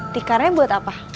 tikarnya buat apa